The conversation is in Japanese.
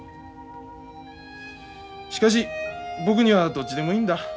しかし僕にはどっちでもいいんだ。